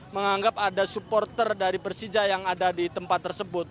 menganggap ada supporter dari persija yang ada di tempat tersebut